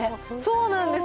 そうなんです。